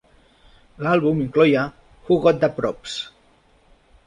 L'àlbum incloïa Who Got Da Props?